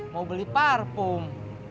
mau beli parfum